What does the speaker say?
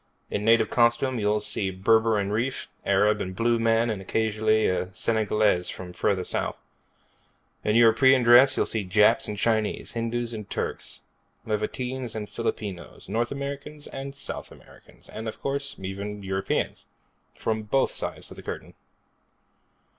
In native costume you'll see Berber and Rif, Arab and Blue Man, and occasionally a Senegalese from further south. In European dress you'll see Japs and Chinese, Hindus and Turks, Levantines and Filipinos, North Americans and South Americans, and, of course, even Europeans from both sides of the Curtain.